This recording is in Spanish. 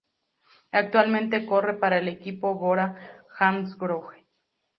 Actualmente corre para el equipo Bora-Hansgrohe.